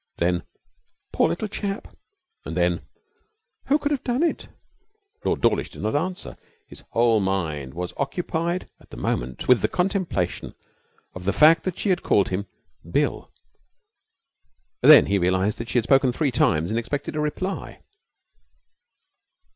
Then: 'Poor little chap!' And then: 'Who could have done it?' Lord Dawlish did not answer. His whole mind was occupied at the moment with the contemplation of the fact that she had called him Bill. Then he realized that she had spoken three times and expected a reply.